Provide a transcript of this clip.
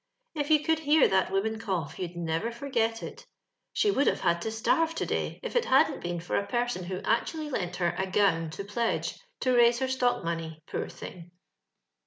If you could hear that woman cough, you'd never forget it. She would have had to starve to day if it hadn't been for a person who actually lent her a gown to pledge to raise her stock money, poor thing."